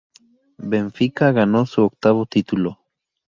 Benfica ganó su octavo título.